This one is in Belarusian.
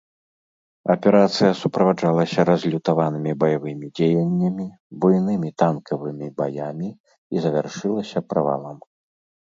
Аперацыя суправаджалася разлютаванымі баявымі дзеяннямі, буйнымі танкавымі баямі і завяршылася правалам.